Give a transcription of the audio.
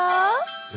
何？